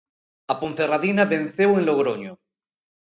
A Ponferradina venceu en Logroño.